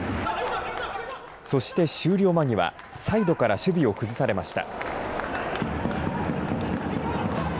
そして、終了間際サイドから守備をくずされました。